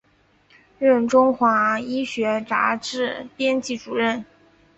任中华医学杂志编辑主任。